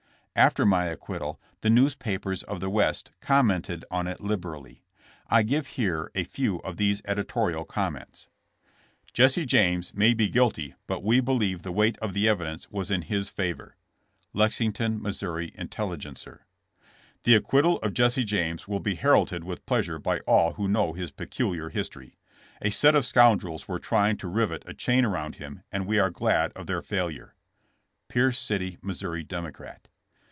After my acquittal the newspapers of the West commented on it liberally. I give here a few of these editorial comments : ''Jesse James may be guilty, but we believe the weight of the evidence was in his favor." — Lexing ton (Mo.) Intelligencer. "The acquittal of Jesse James will be heralded with pleasure by all who know his peculiar history. A set of scoundrels were trying to rivet a chain around him and we are glad of their failure."— Pierce City (Mo.) Democrat.